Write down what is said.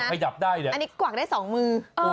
กวักได้สองมือ